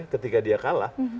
ketika dia kalah